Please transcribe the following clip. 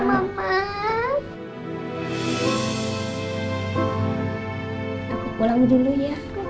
aku pulang dulu ya